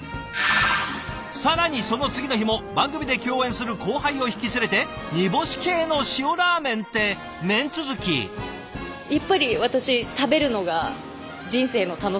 更にその次の日も番組で共演する後輩を引き連れて煮干し系の塩ラーメンって麺続き。ですよね！